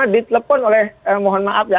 di telepon oleh mohon maaf ya